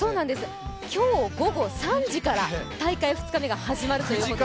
今日午後３時から大会２日目が始まるということです。